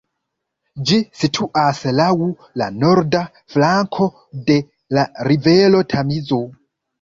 Ĝi situas laŭ la norda flanko de la rivero Tamizo.